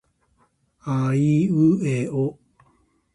aiueo